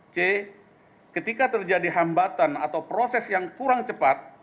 c ketika terjadi hambatan atau proses yang kurang cepat